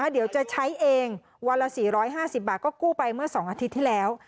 เดี๋ยวจะใช้เองวันละ๔๕๐บาทก็กู้ไปเมื่อ๒อาทิตย์ที่แล้ว